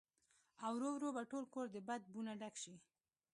او ورو ورو به ټول کور د بدبو نه ډک شي